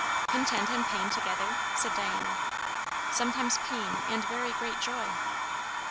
"Content and pain together?" said Diana. "Sometimes pain and very great joy."